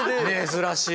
珍しい。